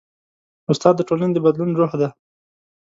استاد د ټولنې د بدلون روح دی.